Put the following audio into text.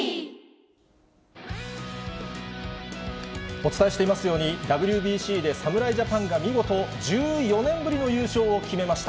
お伝えしていますように、ＷＢＣで侍ジャパンが見事１４年ぶりの優勝を決めました。